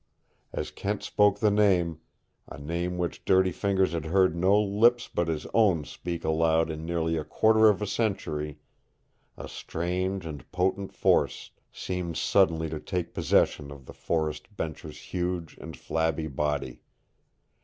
As Kent spoke the name, a name which Dirty Fingers had heard no lips but his own speak aloud in nearly a quarter of a century, a strange and potent force seemed suddenly to take possession of the forest bencher's huge and flabby body.